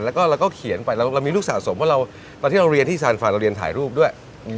แล้วก็เขียนไปเรามีลูกสะสมว่าตอนที่เรียนที่สารฟานเรียนถ่ายรูปด้วย